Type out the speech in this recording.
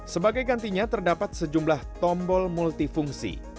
sebagai gantinya terdapat sejumlah tombol multifungsi